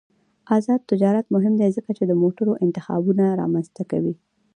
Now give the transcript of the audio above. آزاد تجارت مهم دی ځکه چې د موټرو انتخابونه رامنځته کوي.